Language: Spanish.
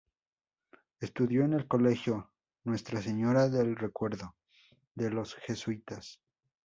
Estudió en el Colegio Nuestra Señora del Recuerdo, de los Jesuitas.